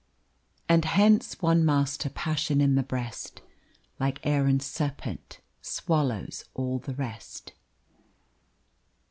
And hence one master passion in the breast, Like Aaron's serpent, swallows all the rest.